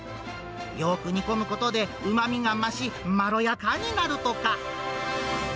よーく煮込むことでうまみが増し、まろやかになるとか。